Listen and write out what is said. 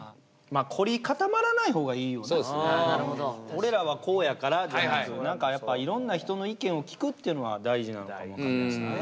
「俺らはこうやから」じゃなくいろんな人の意見を聞くっていうのは大事なのかも分からないですね。